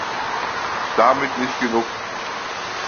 Damit nicht genug.